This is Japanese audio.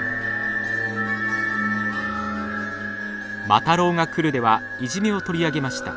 「魔太郎がくる！！」ではいじめを取り上げました。